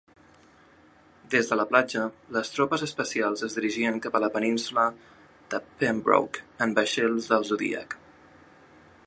Des de la platja, les tropes especials es dirigien cap a la península de Pembroke en vaixells del zodíac.